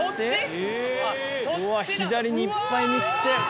左にいっぱいに切って。